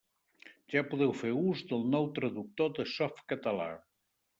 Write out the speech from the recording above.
Ja podeu fer ús del nou traductor de Softcatalà.